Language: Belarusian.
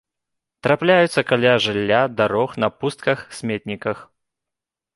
Трапляюцца каля жылля, дарог, на пустках, сметніках.